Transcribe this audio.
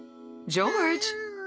ジョージ。